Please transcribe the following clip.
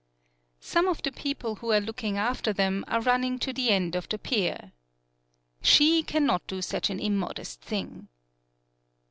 Some of the people who are looking after them are running to the end of the pier. She cannot do such an immodest thing.